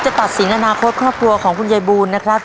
ตัดสินอนาคตครอบครัวของคุณยายบูลนะครับ